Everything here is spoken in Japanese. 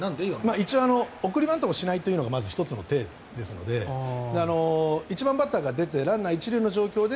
一応送りバントをしないというのが１つの体ですので１番バッターが出てランナー１塁の状況で